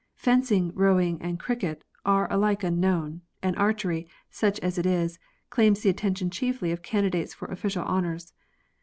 Fencing, rowing, and cricket, are alike unknown ; and archery, such as it is, claims the attention chiefly of candidates for official honours.